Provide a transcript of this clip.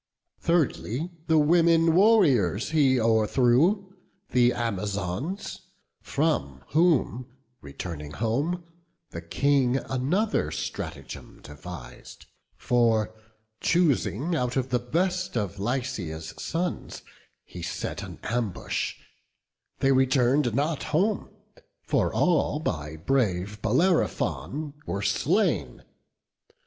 Thirdly, the women warriors he o'erthrew, The Amazons; from whom returning home, The King another stratagem devis'd; For, choosing out the best of Lycia's sons, He set an ambush; they return'd not home, For all by brave Bellerophon were slain.